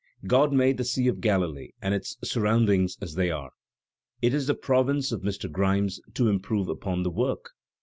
Grod made the Sea of Galilee and its surroundings as they are. Is it the province of Mr. Grimes to improve upon the work?